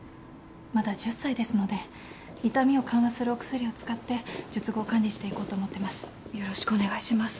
まだ１０歳ですので痛みを緩和するお薬を使って術後管理していこうと思ってます。